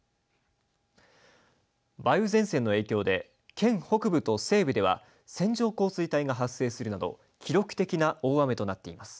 梅雨前線の影響で県北部と西部では線状降水帯が発生するなど記録的な大雨となっています。